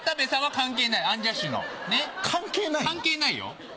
関係ないよ。